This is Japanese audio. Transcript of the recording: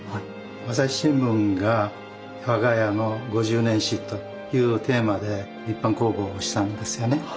朝日新聞が「わが家の五十年史」というテーマで一般公募をしたんですよね。